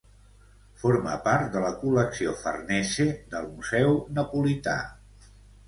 Forma part de la Col·lecció Farnese del museu napolità.